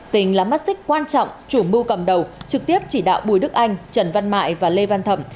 tình là mắt xích quan trọng chủ mưu cầm đầu trực tiếp chỉ đạo bùi đức anh trần văn mại và lê văn thẩm